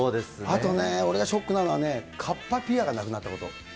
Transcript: あとね、俺がショックなのはね、かっぱぴあがなくなったこと。